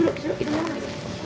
ya bener ya jangan lama lama ya